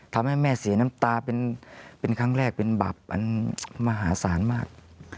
ทำให้แม่เสียน้ำตาเป็นครั้งแรกเป็นบับอันมหาศาลมาก